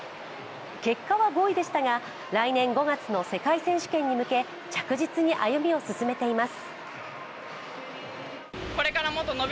結果は５位でしたが、来年５月の世界選手権に向け着実に歩みを進めています。